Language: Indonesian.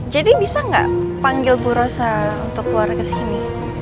jadi bisa gak panggil bu rosa untuk keluar kesini